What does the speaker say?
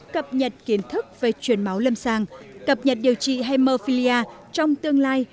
cập nhật kiến thức về truyền máu lâm sang cập nhật điều trị haemophilia trong tương lai